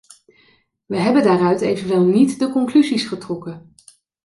Wij hebben daaruit evenwel niet de conclusies getrokken.